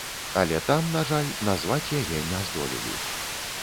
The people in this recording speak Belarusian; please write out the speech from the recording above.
Але там, на жаль, назваць яе не здолелі.